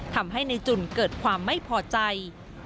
ทำให้ในจุ่นเกิดความไม่พอใจ